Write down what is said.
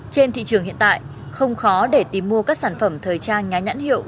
trên thị trường hiện tại không khó để tìm mua các sản phẩm thời trang nhá nhãn hiệu